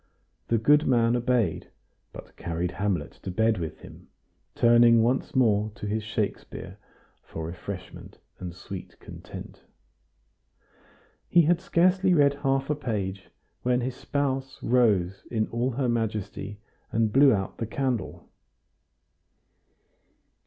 The good man obeyed, but carried "Hamlet" to bed with him, turning once more to his Shakespeare for refreshment and sweet content. He had scarcely read half a page, when his spouse rose in all her majesty and blew out the candle.